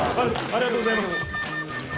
ありがとうございます。